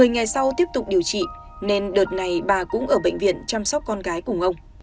một mươi ngày sau tiếp tục điều trị nên đợt này bà cũng ở bệnh viện chăm sóc con gái cùng ông